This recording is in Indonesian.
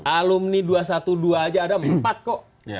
alumni dua ratus dua belas aja ada empat kok